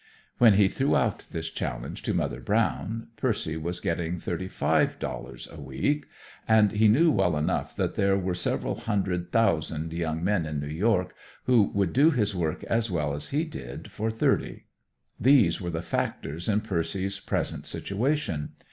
When he threw out this challenge to Mother Brown, Percy was getting thirty five dollars a week, and he knew well enough that there were several hundred thousand young men in New York who would do his work as well as he did for thirty. These were the factors in Percy's present situation.